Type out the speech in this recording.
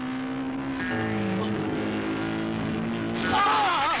あっ。